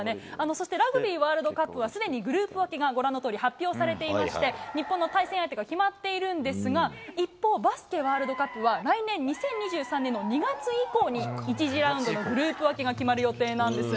そして、ラグビーワールドカップは、すでにグループ分けがご覧のとおり発表されていまして、日本の対戦相手が決まっているんですが、一方、バスケワールドカップは来年・２０２３年の２月以降に１次ラウンドのグループ分けが決まる予定なんです。